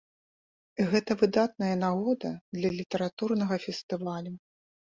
І гэта выдатная нагода для літаратурнага фестывалю!